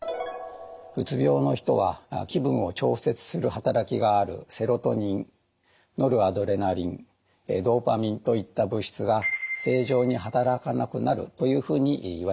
うつ病の人は気分を調節する働きがあるセロトニンノルアドレナリンドパミンといった物質が正常に働かなくなるというふうにいわれています。